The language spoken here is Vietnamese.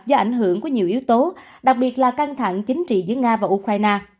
do ảnh hưởng của nhiều yếu tố đặc biệt là căng thẳng chính trị giữa nga và ukraine